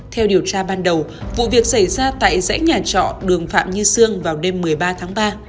theo điều tra ban đầu vụ việc xảy ra tại dãy nhà trọ đường phạm như sương vào đêm một mươi ba tháng ba